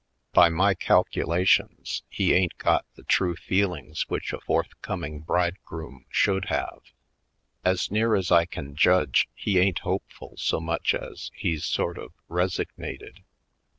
By my calculations, he ain't got the true feelings which a forth coming bridegroom should have. As near as I can judge, he ain't hopeful so much as he's sort of resignated.